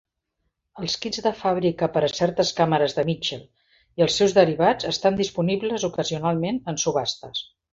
Els "kits" de fàbrica per a certes càmeres de Mitchell i els seus derivats estan disponibles ocasionalment en subhastes.